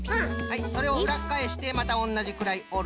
それをうらっかえしてまたおんなじくらいおる。